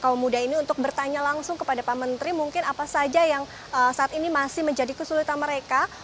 kaum muda ini untuk bertanya langsung kepada pak menteri mungkin apa saja yang saat ini masih menjadi kesulitan mereka